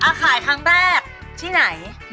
เอ้าขายทางแรกที่ไหน